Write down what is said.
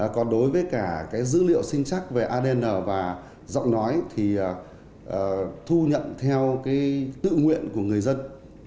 còn đối với cả cái dữ liệu sinh chắc về adn và giọng nói thì thu nhận theo tự nguyện của người dân